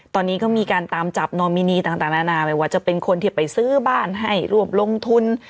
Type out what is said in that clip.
ตอนนี้ก็มีการตามจับนอมินีต่างนานาไม่ว่าจะเป็นคนที่ไปซื้อบ้านให้รวบลงทุน